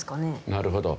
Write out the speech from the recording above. なるほど。